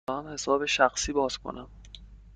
می خواهم حساب شخصی باز کنم.